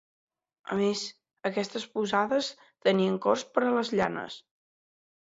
A més, aquestes posades tenien corts per a les llames.